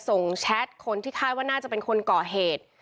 แชทคนที่คาดว่าน่าจะเป็นคนก่อเหตุ